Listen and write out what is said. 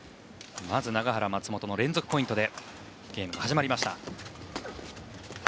まず永原、松本の連続ポイントでゲームが始まりました。